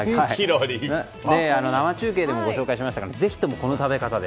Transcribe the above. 生中継でもご紹介しましたがぜひとも、この食べ方で。